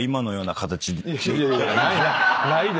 いやいやないない。